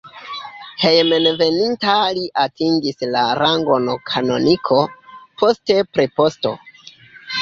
Hejmenveninta li atingis la rangon kanoniko, poste preposto.